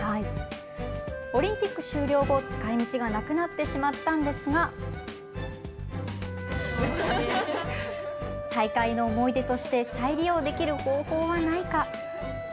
オリンピック終了後、使いみちがなくなってしまったんですが大会の思い出として再利用できる方法はないか。